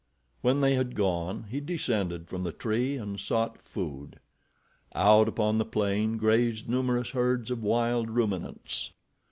When they had gone, he descended from the tree and sought food. Out upon the plain grazed numerous herds of wild ruminants.